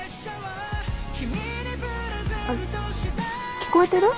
聞こえてる？